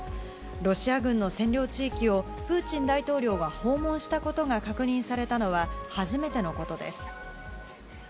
ロシア軍の占領地域をプーチン大統領が訪問したことが確認されたのは初めてのことです。